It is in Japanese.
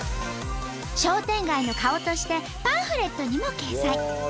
商店街の顔としてパンフレットにも掲載。